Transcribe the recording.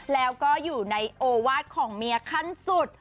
แล้วก็อยู่ในโอวาสของเมียขั้นสุด